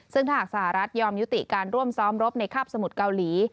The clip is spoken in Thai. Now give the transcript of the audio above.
ซึ่งถ้าหากสหรัฐยอมยุติการร่วมซ้อมรบในคาบสมุทรเกาหลี